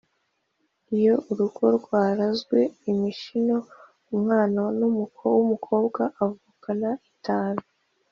iyo urugo rwarazwe imishino, umwana w’umukobwa avukana itanu.